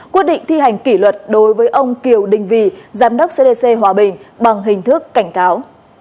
quyết định thi hành kỷ luật đối với ông kiều đình vì giám đốc cdc hòa bình bằng hình thức cảnh cáo